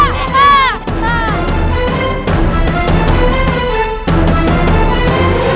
jangan berpengaruh ajudar aku